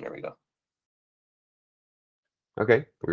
Okay. Good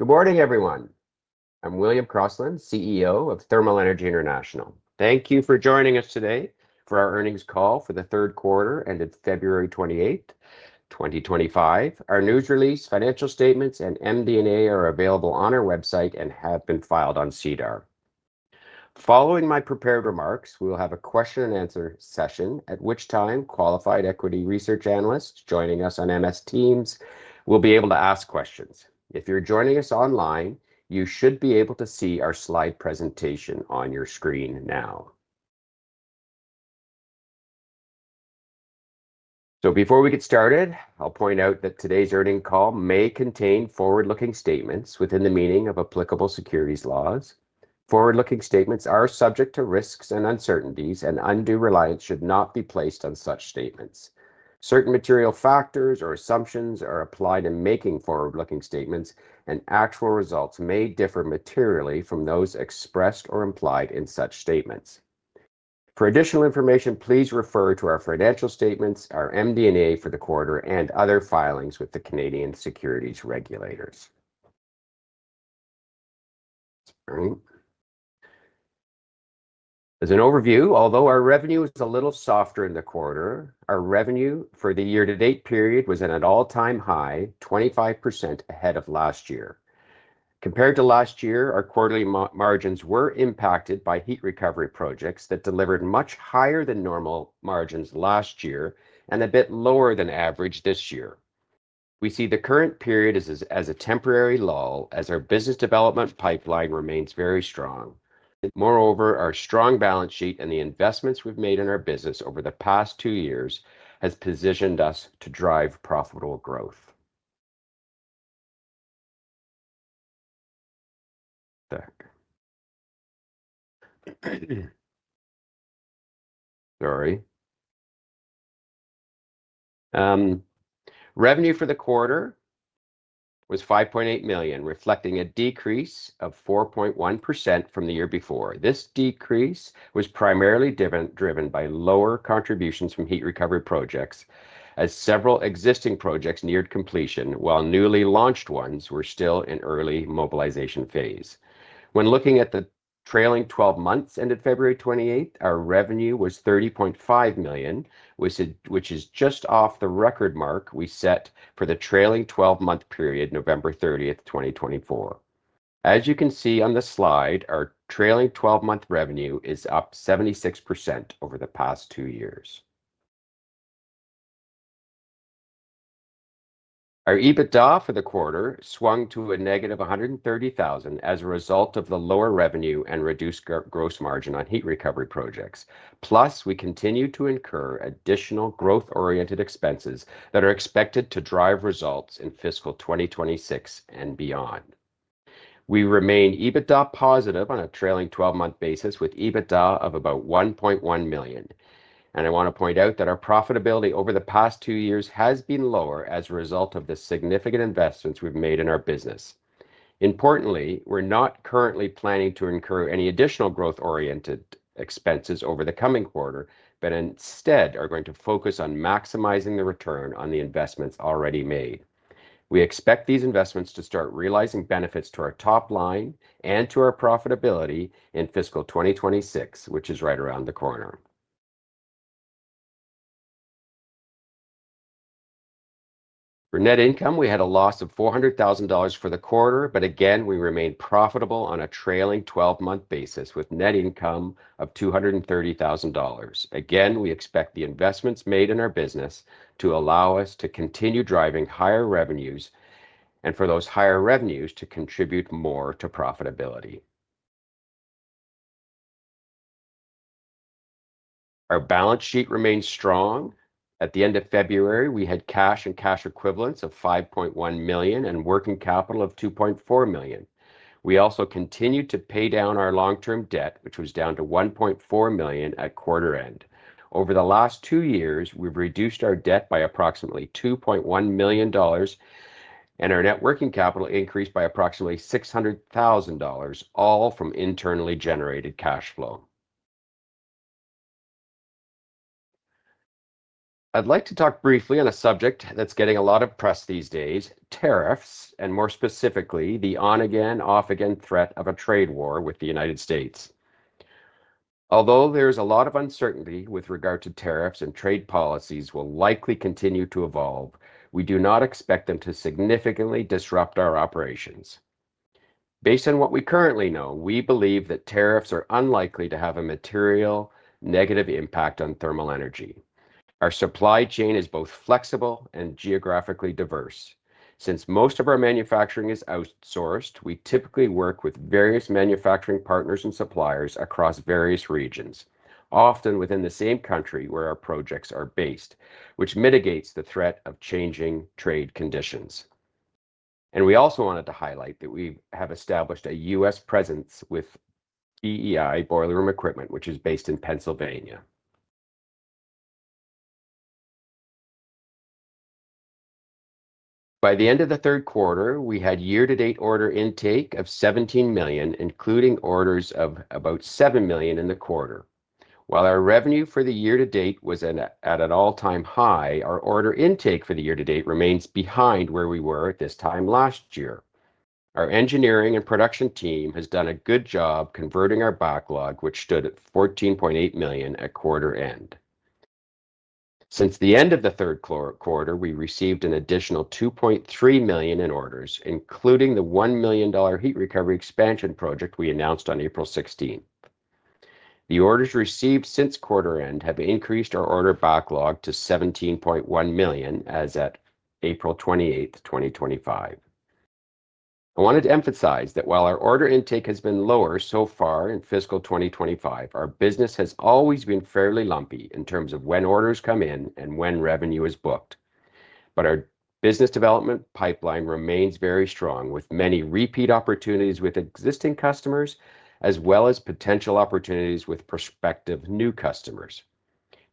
morning, everyone. I'm William Crossland, CEO of Thermal Energy International. Thank you for joining us today for our earnings call for the third quarter ended February 28, 2025. Our news release, financial statements, and MD&A are available on our website and have been filed on SEDAR. Following my prepared remarks, we will have a question-and-answer session, at which time qualified equity research analysts joining us on MS Teams will be able to ask questions. If you're joining us online, you should be able to see our slide presentation on your screen now. Before we get started, I'll point out that today's earnings call may contain forward-looking statements within the meaning of applicable securities laws. Forward-looking statements are subject to risks and uncertainties, and undue reliance should not be placed on such statements. Certain material factors or assumptions are applied in making forward-looking statements, and actual results may differ materially from those expressed or implied in such statements. For additional information, please refer to our financial statements, our MD&A for the quarter, and other filings with the Canadian securities regulators. All right. As an overview, although our revenue is a little softer in the quarter, our revenue for the year-to-date period was at an all-time high, 25% ahead of last year. Compared to last year, our quarterly margins were impacted by heat recovery projects that delivered much higher than normal margins last year and a bit lower than average this year. We see the current period as a temporary lull as our business development pipeline remains very strong. Moreover, our strong balance sheet and the investments we've made in our business over the past two years have positioned us to drive profitable growth. Sorry. Revenue for the quarter was 5.8 million, reflecting a decrease of 4.1% from the year before. This decrease was primarily driven by lower contributions from heat recovery projects, as several existing projects neared completion, while newly launched ones were still in early mobilization phase. When looking at the trailing 12 months ended February 28, our revenue was 30.5 million, which is just off the record mark we set for the trailing 12-month period, November 30th, 2024. As you can see on the slide, our trailing 12-month revenue is up 76% over the past two years. Our EBITDA for the quarter swung to a -130,000 as a result of the lower revenue and reduced gross margin on heat recovery projects. Plus, we continue to incur additional growth-oriented expenses that are expected to drive results in fiscal 2026 and beyond. We remain EBITDA positive on a trailing 12-month basis with EBITDA of about 1.1 million. I want to point out that our profitability over the past two years has been lower as a result of the significant investments we have made in our business. Importantly, we are not currently planning to incur any additional growth-oriented expenses over the coming quarter, but instead are going to focus on maximizing the return on the investments already made. We expect these investments to start realizing benefits to our top line and to our profitability in fiscal 2026, which is right around the corner. For net income, we had a loss of 400,000 dollars for the quarter, but again, we remained profitable on a trailing 12-month basis with net income of 230,000 dollars. Again, we expect the investments made in our business to allow us to continue driving higher revenues and for those higher revenues to contribute more to profitability. Our balance sheet remains strong. At the end of February, we had cash and cash equivalents of 5.1 million and working capital of 2.4 million. We also continued to pay down our long-term debt, which was down to 1.4 million at quarter end. Over the last two years, we've reduced our debt by approximately 2.1 million dollars, and our net working capital increased by approximately 600,000 dollars, all from internally generated cash flow. I'd like to talk briefly on a subject that's getting a lot of press these days, tariffs, and more specifically, the on-again, off-again threat of a trade war with the United States. Although there is a lot of uncertainty with regard to tariffs and trade policies will likely continue to evolve, we do not expect them to significantly disrupt our operations. Based on what we currently know, we believe that tariffs are unlikely to have a material negative impact on Thermal Energy. Our supply chain is both flexible and geographically diverse. Since most of our manufacturing is outsourced, we typically work with various manufacturing partners and suppliers across various regions, often within the same country where our projects are based, which mitigates the threat of changing trade conditions. We also wanted to highlight that we have established a U.S. presence with BEI Boilerroom Equipment, which is based in Pennsylvania. By the end of the third quarter, we had year-to-date order intake of 17 million, including orders of about 7 million in the quarter. While our revenue for the year-to-date was at an all-time high, our order intake for the year-to-date remains behind where we were at this time last year. Our engineering and production team has done a good job converting our backlog, which stood at 14.8 million at quarter end. Since the end of the third quarter, we received an additional 2.3 million in orders, including the 1 million dollar heat recovery expansion project we announced on April 16. The orders received since quarter end have increased our order backlog to 17.1 million as at April 28, 2025. I wanted to emphasize that while our order intake has been lower so far in fiscal 2025, our business has always been fairly lumpy in terms of when orders come in and when revenue is booked. Our business development pipeline remains very strong, with many repeat opportunities with existing customers as well as potential opportunities with prospective new customers.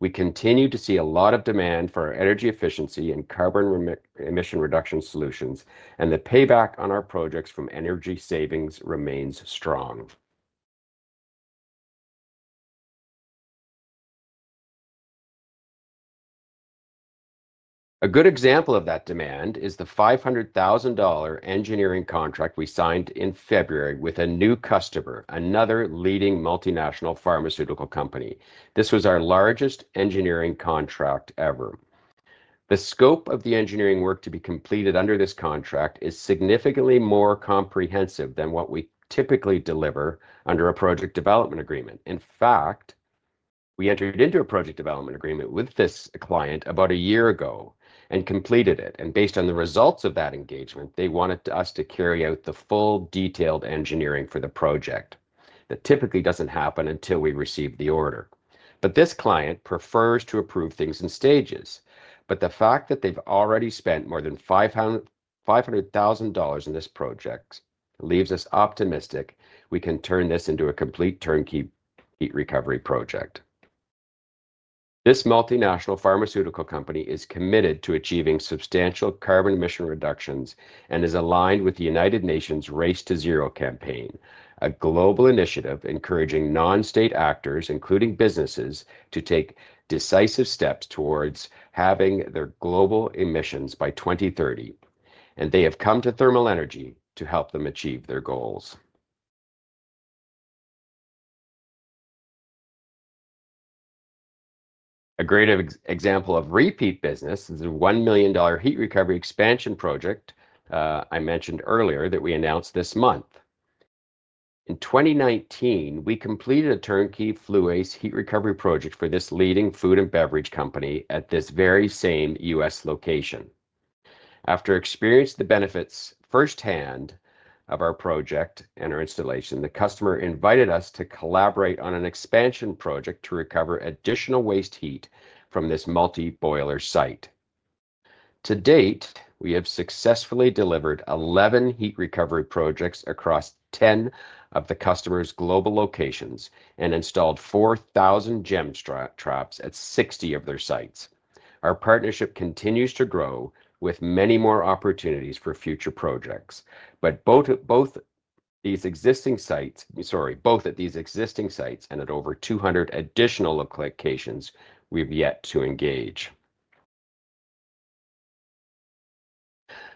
We continue to see a lot of demand for energy efficiency and carbon emission reduction solutions, and the payback on our projects from energy savings remains strong. A good example of that demand is the 500,000 dollar engineering contract we signed in February with a new customer, another leading multinational pharmaceutical company. This was our largest engineering contract ever. The scope of the engineering work to be completed under this contract is significantly more comprehensive than what we typically deliver under a project development agreement. In fact, we entered into a project development agreement with this client about a year ago and completed it. Based on the results of that engagement, they wanted us to carry out the full detailed engineering for the project. That typically does not happen until we receive the order. This client prefers to approve things in stages. The fact that they have already spent more than 500,000 dollars in this project leaves us optimistic we can turn this into a complete Turn-key heat recovery project. This multinational pharmaceutical company is committed to achieving substantial carbon emission reductions and is aligned with the United Nations' Race to Zero campaign, a global initiative encouraging non-state actors, including businesses, to take decisive steps towards halving their global emissions by 2030. They have come to Thermal Energy to help them achieve their goals. A great example of repeat business is the 1 million dollar heat recovery expansion project I mentioned earlier that we announced this month. In 2019, we completed a Turn-key FLU-ACE heat recovery project for this leading food and beverage company at this very same U.S. location. After experiencing the benefits firsthand of our project and our installation, the customer invited us to collaborate on an expansion project to recover additional waste heat from this multi-boiler site. To date, we have successfully delivered 11 heat recovery projects across 10 of the customer's global locations and installed 4,000 GEM steam traps at 60 of their sites. Our partnership continues to grow with many more opportunities for future projects. Both at these existing sites and at over 200 additional locations, we've yet to engage.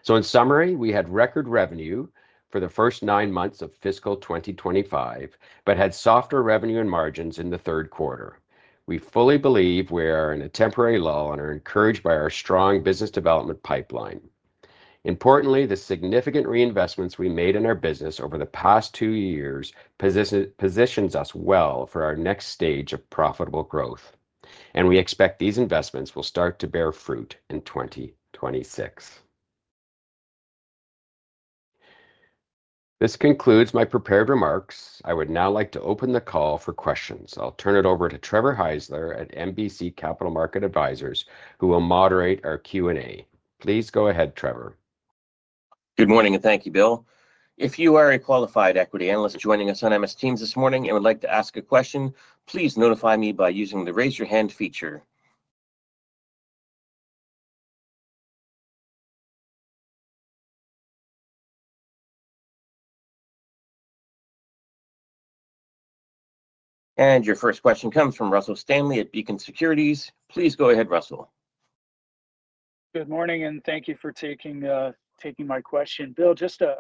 In summary, we had record revenue for the first nine months of fiscal 2025 but had softer revenue and margins in the third quarter. We fully believe we are in a temporary lull and are encouraged by our strong business development pipeline. Importantly, the significant reinvestments we made in our business over the past two years position us well for our next stage of profitable growth. We expect these investments will start to bear fruit in 2026. This concludes my prepared remarks. I would now like to open the call for questions. I'll turn it over to Trevor Heisler at MBC Capital Markets, who will moderate our Q&A. Please go ahead, Trevor. Good morning, and thank you, Bill. If you are a qualified equity analyst joining us on MS Teams this morning and would like to ask a question, please notify me by using the raise your hand feature. Your first question comes from Russell Stanley at Beacon Securities. Please go ahead, Russell. Good morning, and thank you for taking my question. Bill, just to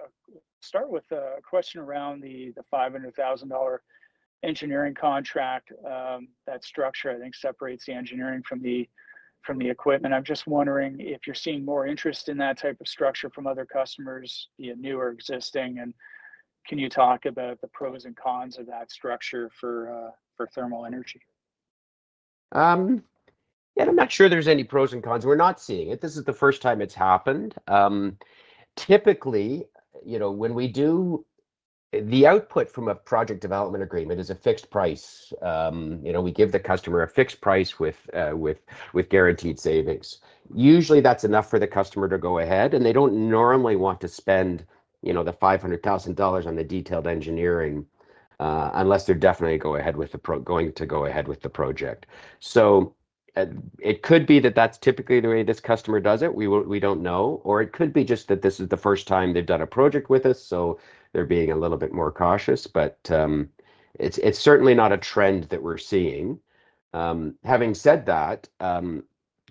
start with a question around the 500,000 dollar engineering contract, that structure, I think, separates the engineering from the equipment. I'm just wondering if you're seeing more interest in that type of structure from other customers, be it new or existing. Can you talk about the pros and cons of that structure for Thermal Energy? Yeah, I'm not sure there's any pros and cons. We're not seeing it. This is the first time it's happened. Typically, when we do, the output from a project development agreement is a fixed price. We give the customer a fixed price with guaranteed savings. Usually, that's enough for the customer to go ahead, and they don't normally want to spend the 500,000 dollars on the detailed engineering unless they're definitely going to go ahead with the project. It could be that that's typically the way this customer does it. We don't know. Or it could be just that this is the first time they've done a project with us, so they're being a little bit more cautious. It's certainly not a trend that we're seeing. Having said that,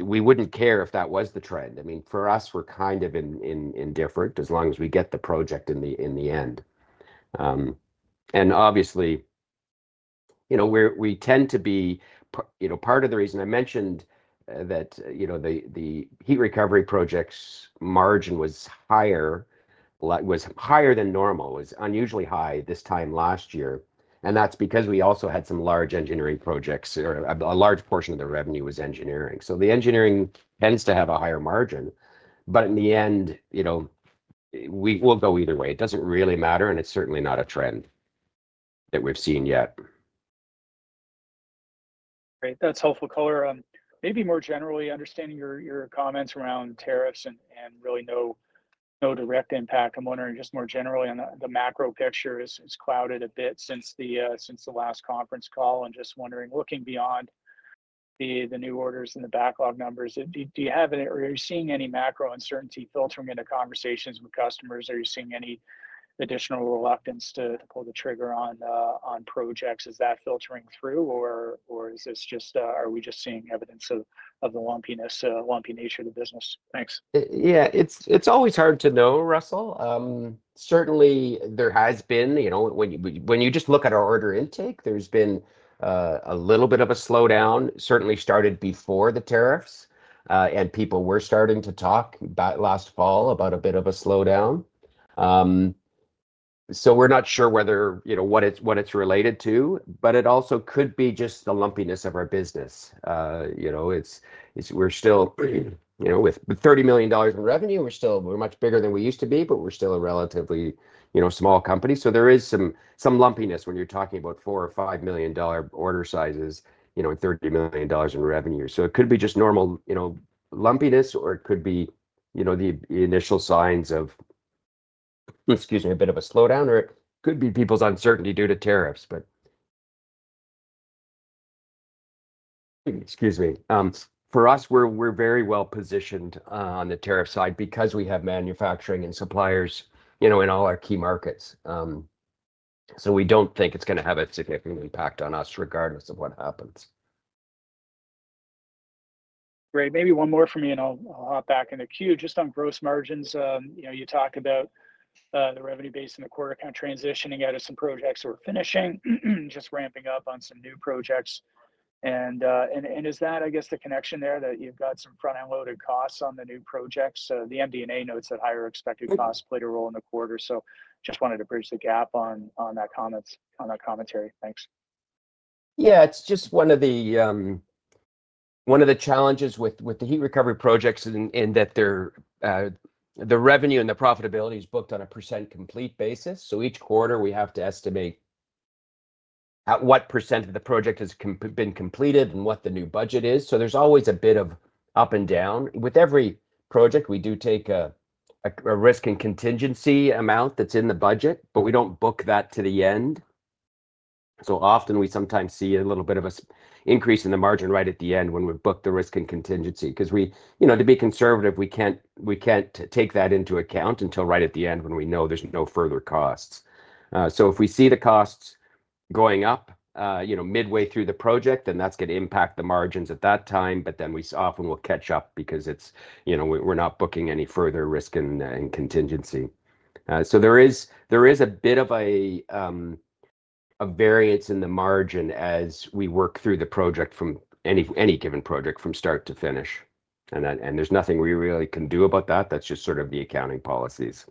we wouldn't care if that was the trend. I mean, for us, we're kind of indifferent as long as we get the project in the end. Obviously, I tend to be part of the reason I mentioned that the heat recovery project's margin was higher than normal. It was unusually high this time last year. That's because we also had some large engineering projects, or a large portion of the revenue was engineering. The engineering tends to have a higher margin. In the end, we'll go either way. It doesn't really matter, and it's certainly not a trend that we've seen yet. Great. That's helpful. Maybe more generally, understanding your comments around tariffs and really no direct impact, I'm wondering just more generally on the macro picture. It's clouded a bit since the last conference call. Just wondering, looking beyond the new orders and the backlog numbers, do you have any—are you seeing any macro uncertainty filtering into conversations with customers? Are you seeing any additional reluctance to pull the trigger on projects? Is that filtering through, or are we just seeing evidence of the lumpiness, lumpy nature of the business? Thanks. Yeah, it's always hard to know, Russell. Certainly, there has been. When you just look at our order intake, there's been a little bit of a slowdown, certainly started before the tariffs. People were starting to talk last fall about a bit of a slowdown. We are not sure what it is related to, but it also could be just the lumpiness of our business. We are still with 30 million dollars in revenue. We are much bigger than we used to be, but we are still a relatively small company. There is some lumpiness when you are talking about 4 million or 5 million dollar order sizes and 30 million dollars in revenue. It could be just normal lumpiness, or it could be the initial signs of, excuse me, a bit of a slowdown, or it could be people's uncertainty due to tariffs. Excuse me. For us, we are very well positioned on the tariff side because we have manufacturing and suppliers in all our key markets. We do not think it is going to have a significant impact on us regardless of what happens. Great. Maybe one more from me, and I'll hop back in the queue. Just on gross margins, you talked about the revenue base in the quarter kind of transitioning out of some projects that were finishing, just ramping up on some new projects. Is that, I guess, the connection there that you've got some front-end loaded costs on the new projects? The MD&A notes that higher expected costs played a role in the quarter. Just wanted to bridge the gap on that commentary. Thanks. Yeah, it's just one of the challenges with the heat recovery projects in that the revenue and the profitability is booked on a percent complete basis. Each quarter, we have to estimate at what percent of the project has been completed and what the new budget is. There's always a bit of up and down. With every project, we do take a risk and contingency amount that's in the budget, but we don't book that to the end. Often, we sometimes see a little bit of an increase in the margin right at the end when we book the risk and contingency. Because to be conservative, we can't take that into account until right at the end when we know there's no further costs. If we see the costs going up midway through the project, then that's going to impact the margins at that time. We often will catch up because we're not booking any further risk and contingency. There is a bit of a variance in the margin as we work through the project from any given project from start to finish. There's nothing we really can do about that. That's just sort of the accounting policies.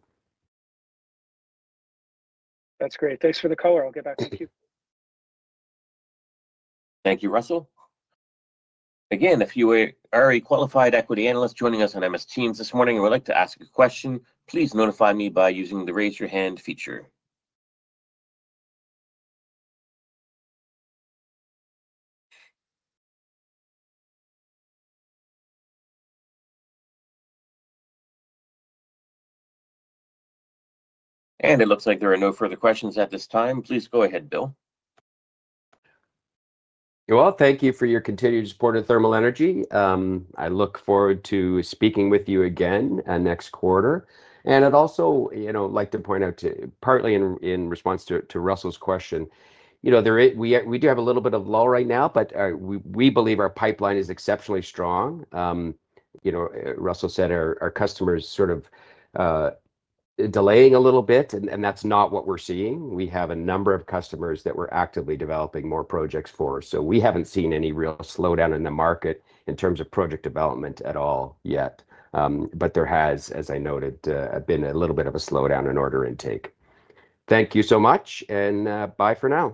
That's great. Thanks for the color. I'll get back to you. Thank you, Russell. If you are a qualified equity analyst joining us on MS Teams this morning and would like to ask a question, please notify me by using the raise your hand feature. It looks like there are no further questions at this time. Please go ahead, Bill. Thank you for your continued support of Thermal Energy. I look forward to speaking with you again next quarter. I would also like to point out, partly in response to Russell's question, we do have a little bit of lull right now, but we believe our pipeline is exceptionally strong. Russell said our customers are sort of delaying a little bit, and that's not what we're seeing. We have a number of customers that we're actively developing more projects for. We have not seen any real slowdown in the market in terms of project development at all yet. There has, as I noted, been a little bit of a slowdown in order intake. Thank you so much, and bye for now.